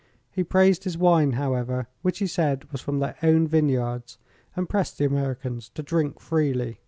He praised his wine, however, which he said was from their own vineyards, and pressed the Americans to drink freely.